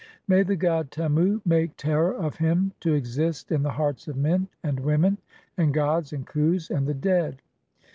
(18) May the god Temu make terror of him to exist "in the hearts of men, and women, (19) and gods, and Khus, "and the dead.